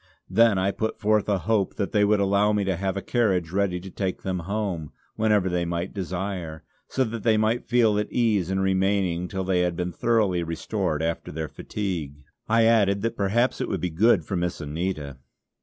Then I put forth a hope that they would allow me to have a carriage ready to take them home, whenever they might desire, so that they might feel at ease in remaining till they had been thoroughly restored after their fatigue. I added that perhaps it would be good for Miss Anita.